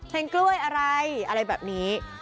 กล้วยอะไรอะไรแบบนี้